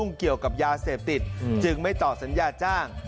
เกี่ยวกับยาเสพติดจึงไม่ต่อสัญญาจ้าง